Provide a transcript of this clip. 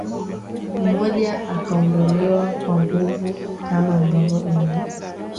mmoja akaondolewa kwa nguvu kama ambavyo umee